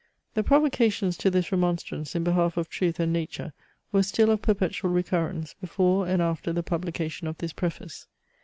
The provocations to this remonstrance in behalf of truth and nature were still of perpetual recurrence before and after the publication of this preface.